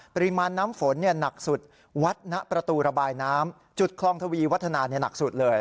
ปริมาณน้ำฝนหนักสุดวัดณประตูระบายน้ำจุดคลองทวีวัฒนาหนักสุดเลย